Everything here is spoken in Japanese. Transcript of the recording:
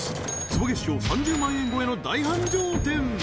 坪月商３０万円超えの大繁盛店